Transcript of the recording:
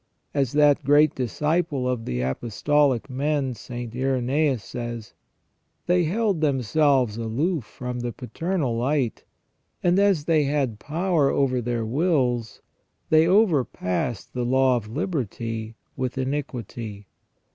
As that great disciple of the apostolic men, St. Irenseus, says : They held themselves aloof from the paternal light, and as they had power over their wills, they overpassed the law of liberty with iniquity.